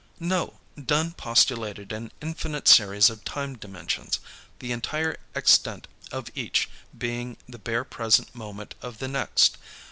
"No. Dunne postulated an infinite series of time dimensions, the entire extent of each being the bare present moment of the next.